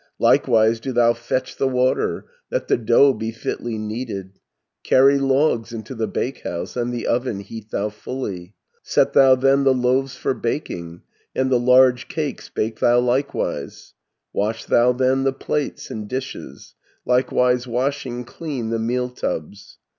270 Likewise do thou fetch the water, That the dough be fitly kneaded, Carry logs into the bakehouse, And the oven heat thou fully, Set thou then the loaves for baking, And the large cakes bake thou likewise, Wash thou then the plates and dishes, Likewise washing clean the meal tubs.'